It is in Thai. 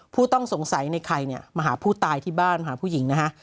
ผู้ต้องสงสัยในใครเนี่ยมาหาผู้ตายที่บ้านหาผู้หญิงนะฮะ